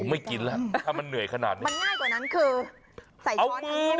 ผมไม่กินแล้วถ้ามันเหนื่อยขนาดนี้